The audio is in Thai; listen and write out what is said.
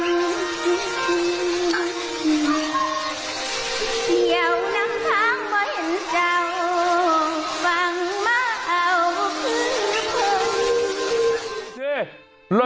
อยากนำทางมาเห็นเจ้าวางมาเอาขึ้นรึเปล่า